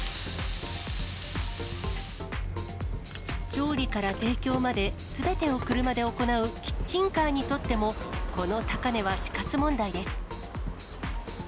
調理から提供まですべてを車で行うキッチンカーにとっても、この高値は死活問題です。